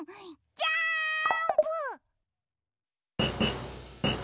ジャンプ！！」。